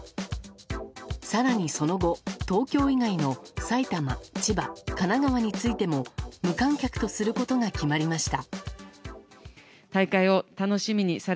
更に、その後東京以外の埼玉、千葉、神奈川についても無観客とすることが決まりました。